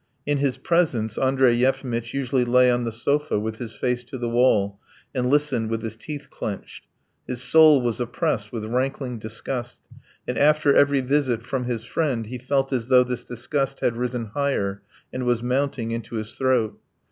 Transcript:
In his presence Andrey Yefimitch usually lay on the sofa with his face to the wall, and listened with his teeth clenched; his soul was oppressed with rankling disgust, and after every visit from his friend he felt as though this disgust had risen higher, and was mounting into his throat.